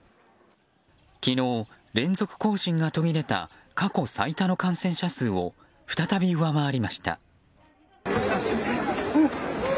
昨日、連続更新が途切れた過去最多の感染者数を再び上回りました。